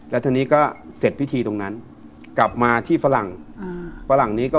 และทีนี้ก็